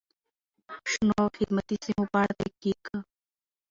شنو او خدماتي سیمو په اړه دقیق،